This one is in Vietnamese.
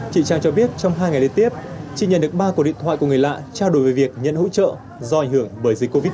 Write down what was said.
chị trang cho biết trong hai ngày liên tiếp chị nhận được ba cuộc điện thoại của người lạ trao đổi về việc nhận hỗ trợ do ảnh hưởng bởi dịch covid một mươi chín